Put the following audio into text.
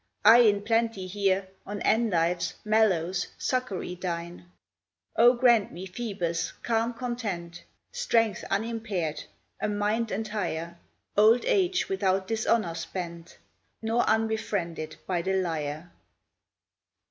I in plenty here On endives, mallows, succory dine. O grant me, Phoebus, calm content, Strength unimpair'd, a mind entire, Old age without dishonour spent, Nor unbefriended by the lyre!